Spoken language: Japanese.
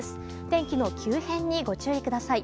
天気の急変にご注意ください。